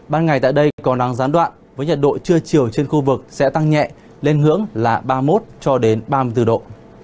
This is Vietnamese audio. ban ngày tại đây có nắng gián đoạn với nhiệt độ trưa chiều trên khu vực sẽ tăng nhẹ lên ngưỡng là ba mươi một cho đến ba mươi bốn độ